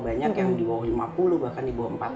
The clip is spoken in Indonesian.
banyak yang di bawah lima puluh bahkan di bawah empat puluh